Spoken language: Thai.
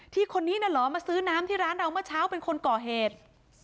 คนนี้น่ะเหรอมาซื้อน้ำที่ร้านเราเมื่อเช้าเป็นคนก่อเหตุ